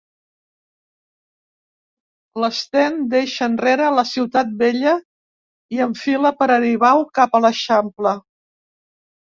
L'Sten deixa enrere la Ciutat Vella i enfila per Aribau cap a l'Eixample.